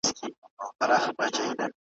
نړوي چي مدرسې د واسکټونو `